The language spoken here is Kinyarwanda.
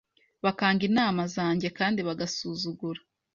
bakanga inama zanjye kandi bagasuzugura